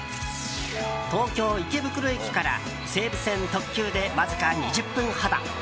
東京・池袋駅から西武線特急でわずか２０分ほど。